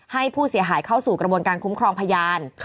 ให้ผู้เสียหายเข้าสู่กระบวนการคุ้มครองพยาน